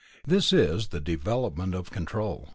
This is the development of Control.